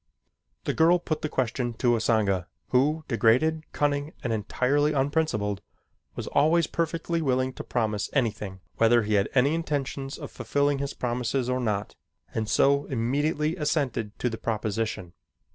The girl put the question to Usanga, who, degraded, cunning, and entirely unprincipled, was always perfectly willing to promise anything whether he had any intentions of fulfilling his promises or not, and so immediately assented to the proposition.